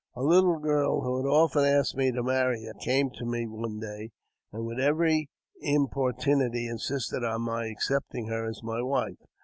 A little girl, who had often asked me to marry her, came to me one day, and with every importunity insisted on my ac cepting her as my wife.